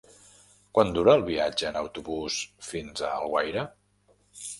Quant dura el viatge en autobús fins a Alguaire?